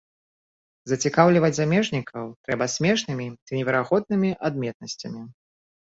Зацікаўліваць замежнікаў трэба смешнымі ці неверагоднымі адметнасцямі.